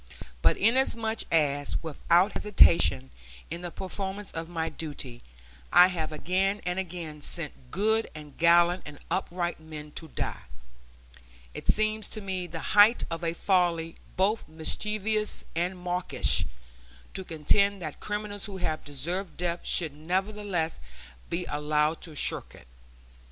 But inasmuch as, without hesitation, in the performance of duty, I have again and again sent good and gallant and upright men to die, it seems to me the height of a folly both mischievous and mawkish to contend that criminals who have deserved death should nevertheless be allowed to shirk it.